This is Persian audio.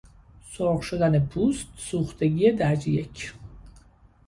سرخ شدن پوست، سوختگی درجه یک